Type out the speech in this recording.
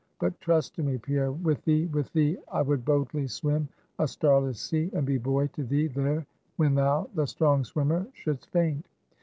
But trust to me, Pierre. With thee, with thee, I would boldly swim a starless sea, and be buoy to thee, there, when thou the strong swimmer shouldst faint.